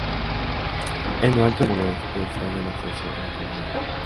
En lo alto del muro oeste se halla el acceso a la Cámara Oculta.